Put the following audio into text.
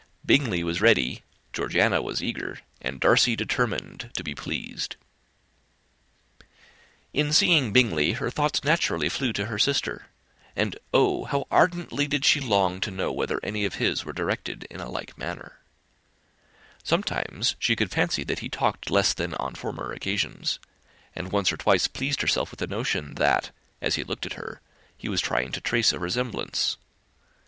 Bingley was ready, Georgiana was eager, and Darcy determined, to be pleased. [Illustration: "To make herself agreeable to all" [Copyright 1894 by George Allen.]] In seeing Bingley, her thoughts naturally flew to her sister; and oh! how ardently did she long to know whether any of his were directed in a like manner. Sometimes she could fancy that he talked less than on former occasions, and once or twice pleased herself with the notion that, as he looked at her, he was trying to trace a resemblance.